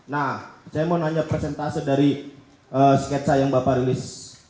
nah saya mau nanya presentase dari sketsa yang bapak rilis